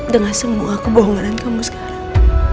dengan semua kebohongan kamu sekarang